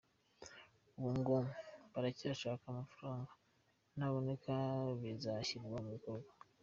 Ubu ngo baracyashaka amafaranga, naboneka bizashyirwa mu bikorwa.